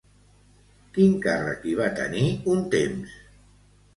Quin càrrec hi va tenir un temps?